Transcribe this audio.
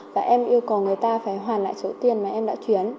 và em yêu cầu người ta phải hoàn lại số tiền mà em đã chuyển